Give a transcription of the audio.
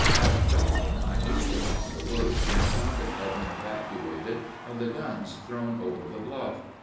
At dawn I moved upon the work, and found it had been evacuated and the guns thrown over the bluff.